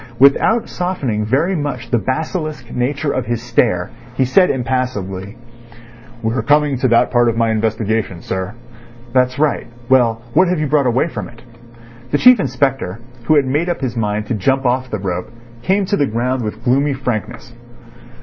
Without softening very much the basilisk nature of his stare, he said impassively: "We are coming to that part of my investigation, sir." "That's right. Well, what have you brought away from it?" The Chief Inspector, who had made up his mind to jump off the rope, came to the ground with gloomy frankness.